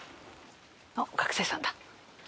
あっ学生さんだ。